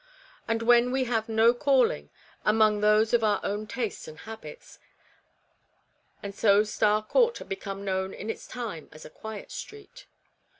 and when we have no calling, among those of our own taste and habits, and so Star Court had become known in time as a quiet street.